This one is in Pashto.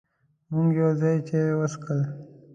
مونږ یو ځای چای وڅښل.